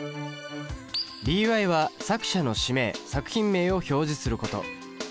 ＢＹは作者の氏名作品名を表示すること。